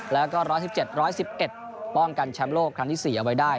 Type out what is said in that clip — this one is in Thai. ๑๑๙๑๑๐๑๑๕๑๑๓แล้วก็๑๑๗๑๑๑ป้องกันแชมป์โลกครั้งที่๔เอาไว้ได้